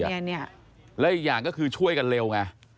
เนี้ยเนี้ยเนี้ยและอีกอย่างก็คือช่วยกันเร็วไง